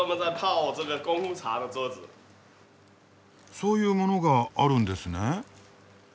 そういうものがあるんですね。